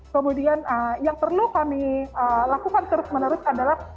kemudian yang perlu kami lakukan terus menerus adalah